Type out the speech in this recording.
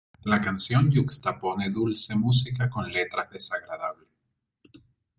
La canción yuxtapone dulce música con letras desagradable.